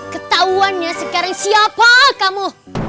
ketahuan ya sekarang siapa kamu